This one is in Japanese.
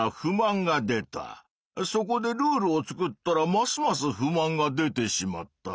そこでルールを作ったらますます不満が出てしまった。